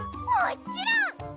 もっちろん！